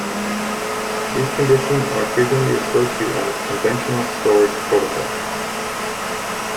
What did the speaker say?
These conditions are frequently referred to as 'conventional' storage protocols.